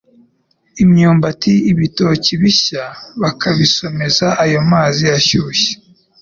imyumbati, ibitoki byashya bakabisomeza ayo mazi ashyushye.